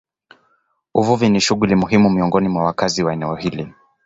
Uvuvi ni shughuli muhimu miongoni mwa wakazi wa eneo hili.